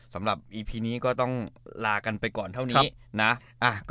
สำหรับอีพีนี้ก็ต้องลากันไปก่อนเท่านี้นะ